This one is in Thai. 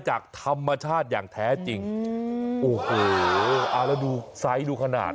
ถ้ามะชาติอย่างแท้จริงโอ้โหแล้วดูไซค์ดูขนาด